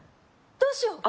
どうしよう